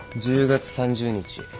１０月３０日。